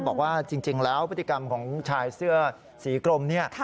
บอกว่าจริงแล้วพฤติกรรมของชายเสื้อสีกรมเนี่ย